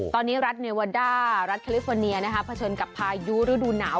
ตอนนี้รัฐเนวาด้ารัฐแคลิฟอร์เนียเผชิญกับพายุฤดูหนาว